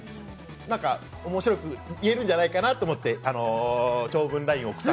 なんか面白く言えるんじゃないかなって長文ＬＩＮＥを送った。